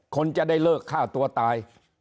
คนจะได้เลิกฆ่าตัวตาย